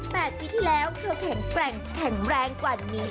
๘ปีที่แล้วเธอแข็งแกร่งแข็งแรงกว่านี้